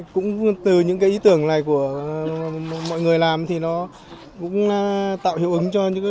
cũng từ những ý tưởng này của mọi người làm thì nó cũng tạo hiệu ứng cho chúng tôi